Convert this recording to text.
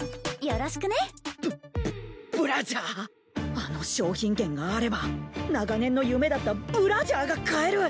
あの商品券があれば長年の夢だったブラジャーが買える！